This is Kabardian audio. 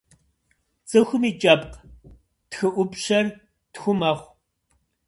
Цӏыхум и кӏэпкъ тхыӏупщэр тху мэхъу.